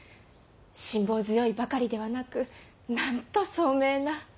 辛抱強いばかりではなくなんと聡明な。